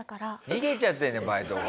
逃げちゃってるじゃんバイトが。